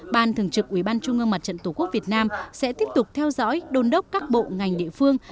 ban thường trực ubnd tp hà nội sẽ tiếp tục theo dõi đôn đốc các bộ ngành địa phương